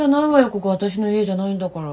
ここ私の家じゃないんだから。